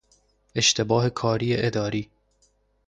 اشتباهکاری اداری